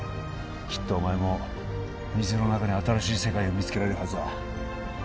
きっとお前も水の中に新しい世界を見つけられるはずだ